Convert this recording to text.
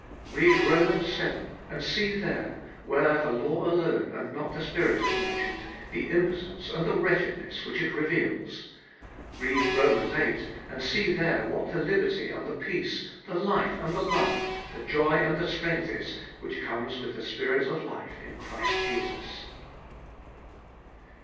Read Rom. vii. and see there, where the law alone, and not the Spirit, is mentioned, the impotence and the wretchedness which it reveals. Read Rom. viii. and see there what the liberty and the peace, the life and the love, the joy and the strength is which comes with the Spirit of life in Christ Jesus.